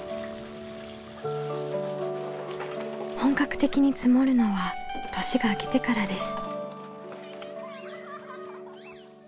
本格的に積もるのは年が明けてからです。